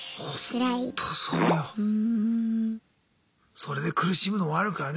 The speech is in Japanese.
それで苦しむのもあるからね。